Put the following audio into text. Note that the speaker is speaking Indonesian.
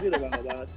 udah bangga banget sih